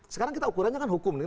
sekarang kita ukurannya kan hukum nih